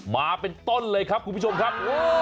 มาเป็นต้นเลยครับคุณผู้ชมครับ